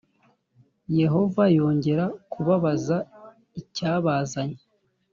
Yehova yongera kubabaza icyabazanye